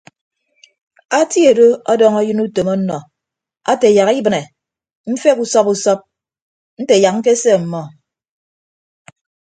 Atie do ọdọñ ayịn utom ọnnọ ate yak ibịne mfeghe usọp usọp nte yak ñkese ọmmọ.